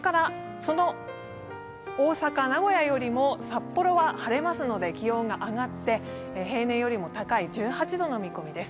その大阪、名古屋よりも札幌は晴れますので、気温が上がって、平年よりも高い１８度の見込みです。